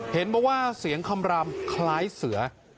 เห็นบอกว่าเสียงคำรำคล้ายเสือ